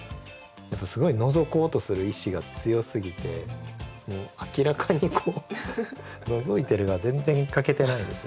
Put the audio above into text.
やっぱすごいのぞこうとする意志が強すぎて明らかにこう「のぞいてる」が全然書けてないですよね。